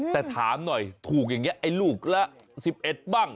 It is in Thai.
แต่ถามหน่อยถูกอย่างนี้ไอ้ลูกละ๑๑บ้าง